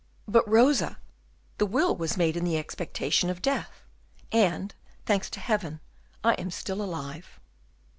"But, Rosa, the will was made in the expectation of death, and, thanks to Heaven, I am still alive."